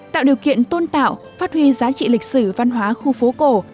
tạo điều kiện tôn tạo phát huy giá trị lịch sử văn hóa khu phố cổ